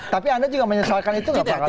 tapi anda juga menyesalkan itu nggak pak